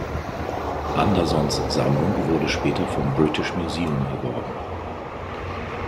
Andersons Sammlung wurde später vom British Museum erworben.